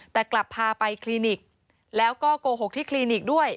แต่กลับพาไปคลินิกแล้วก็โกหกที่คลินิกด้วย